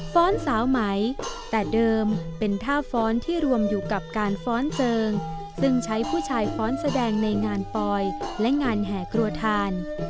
สาวไหมแต่เดิมเป็นท่าฟ้อนที่รวมอยู่กับการฟ้อนเจิงซึ่งใช้ผู้ชายฟ้อนแสดงในงานปลอยและงานแห่ครัวทาน